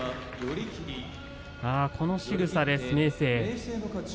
このしぐさです、明生。